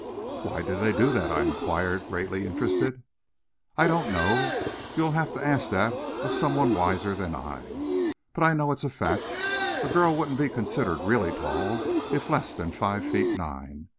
"Why do they do that?" I inquired, greatly interested. "I don't know. You'll have to ask that of some one wiser than I. But I know it's a fact. A girl wouldn't be considered really tall if less than five feet nine.